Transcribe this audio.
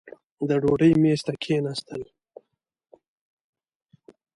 د ډوډۍ مېز ته کښېنستل.